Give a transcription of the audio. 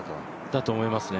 だと思いますね